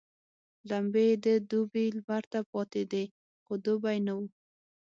لمبې يې د دوبي لمر ته پاتېدې خو دوبی نه وو.